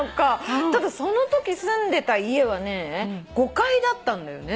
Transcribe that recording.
ただそのとき住んでた家はね５階だったんだよね。